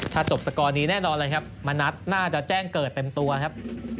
ถ้าจบสกอร์นี้แน่นอนเลยครับมณัฐน่าจะแจ้งเกิดเต็มตัวครับ